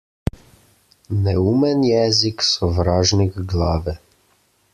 Neumen jezik - sovražnik glave.